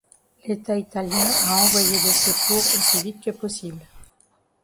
L'État italien a envoyé des secours aussi vite que possible.